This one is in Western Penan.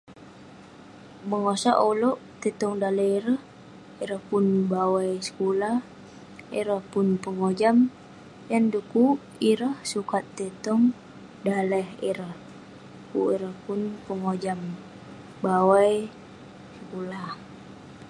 bengosak ulouk tai tong daleh ireh, ireh pun bawai sekulah, ireh pun pengojam, yan du'kuk ireh sukat tai tong daleh ireh kuk ireh pun pengojam, bawai sekulah